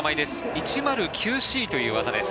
１０９Ｃという技です。